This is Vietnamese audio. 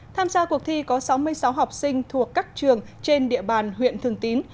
tham gia cuộc thi có sáu mươi sáu học sinh thuộc các trường trên địa bàn huyện thường tín